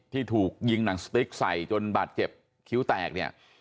ที่ถูกยิงหนังสติ๊กใส่จนบาดเจ็บคิ้วแตกเนี่ย